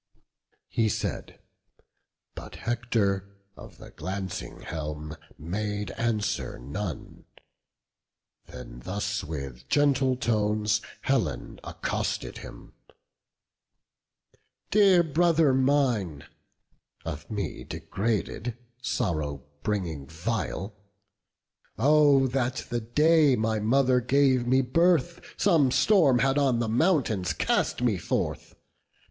He said: but Hector of the glancing helm Made answer none; then thus with gentle tones Helen accosted him: "Dear brother mine, (Of me, degraded, sorrow bringing, vile!) Oh that the day my mother gave me birth Some storm had on the mountains cast me forth!